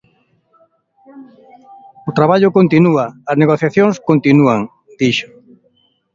"O traballo continúa, as negociacións continúan", dixo.